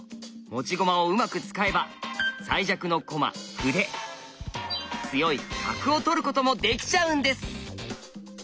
持ち駒をうまく使えば最弱の駒歩で強い角を取ることもできちゃうんです！